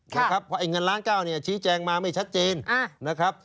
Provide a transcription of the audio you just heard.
เพราะไอ้เงินล้านเก้าเนี่ยชี้แจงมาไม่ชัดเจนนะครับ